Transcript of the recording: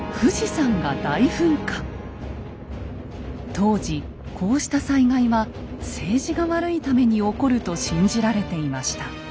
当時こうした災害は政治が悪いために起こると信じられていました。